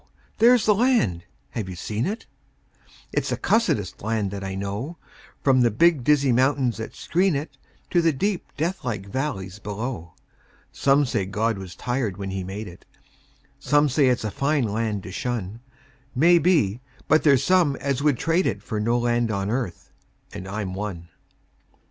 There's the land. (Have you seen it?) It's the cussedest land that I know, From the big, dizzy mountains that screen it To the deep, deathlike valleys below. Some say God was tired when He made it; Some say it's a fine land to shun; Maybe; but there's some as would trade it For no land on earth and I'm one.